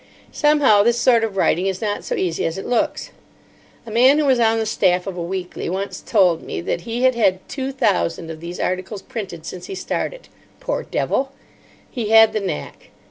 Somehow this sort of writing is not so easy as it looks. A man who was on the staff of a weekly once told me that he had had two thousand of these articles printed since he started—poor devil. He had the knack.